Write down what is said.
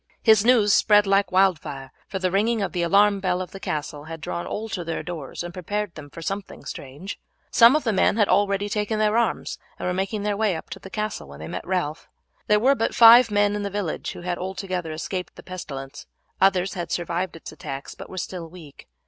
His news spread like wild fire, for the ringing of the alarm bell of the castle had drawn all to their doors and prepared them for something strange. Some of the men had already taken their arms and were making their way up to the castle when they met Ralph. There were but five men in the village who had altogether escaped the pestilence; others had survived its attacks, but were still weak.